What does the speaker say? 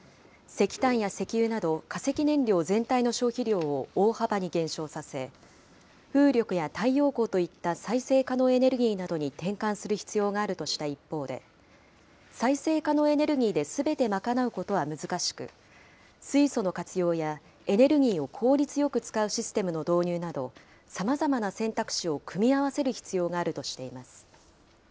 石炭や石油など化石燃料全体の消費量を大幅に減少させ、風力や太陽光といった再生可能エネルギーなどに転換する必要があるとした一方で、再生可能エネルギーですべて賄うことは難しく、水素の活用やエネルギーを効率よく使うシステムの導入など、さまざまな選択肢を組み合わせる必要があるとしています。